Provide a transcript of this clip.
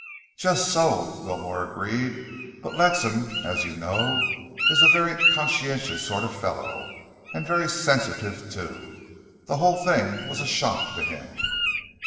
"Just so," Wilmore agreed, "but Ledsam, as you know, is a very conscientious sort of fellow, and very sensitive, too. The whole thing was a shock to him."